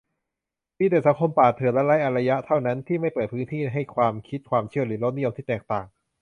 มีแต่สังคมป่าเถื่อนและไร้อารยะเท่านั้น ที่ไม่เปิดพื้นที่ให้ความคิด ความเชื่อ หรือรสนิยมที่แตกต่าง